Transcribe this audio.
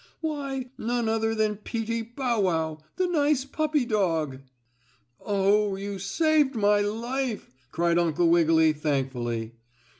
Why none other than Peetie Bow Wow, the nice puppy dog. "Oh, you saved my life!" cried Uncle Wiggily, thankfully.